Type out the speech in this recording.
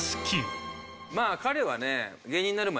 まあ彼はね。